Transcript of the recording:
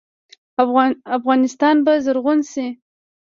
افغانستان به زرغون شي.